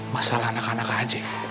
masalah anak anak aja